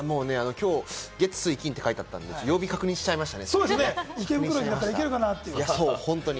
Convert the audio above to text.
月・水・金って書いてあったんで、きょうの曜日を確認しちゃいました。